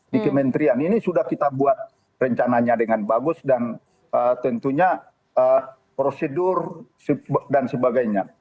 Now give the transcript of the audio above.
di kementerian ini sudah kita buat rencananya dengan bagus dan tentunya prosedur dan sebagainya